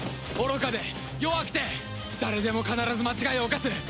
愚かで弱くて誰でも必ず間違いを犯す。